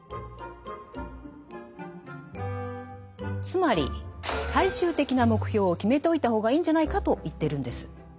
つまり最終的な目標を決めておいた方がいいんじゃないかと言ってるんです。